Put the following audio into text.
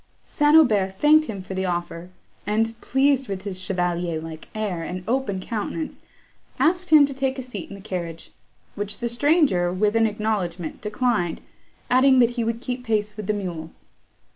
St. Aubert thanked him for the offer, and, pleased with his chevalier like air and open countenance, asked him to take a seat in the carriage; which the stranger, with an acknowledgment, declined, adding that he would keep pace with the mules.